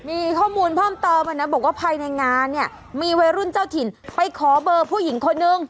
มีข้อมูลเพิ่มเติมอ่ะนะบอกว่าภายในงานเนี่ยมีวัยรุ่นเจ้าถิ่นไปขอเบอร์ผู้หญิงคนนึง